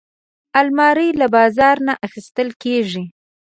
الماري له بازار نه اخیستل کېږي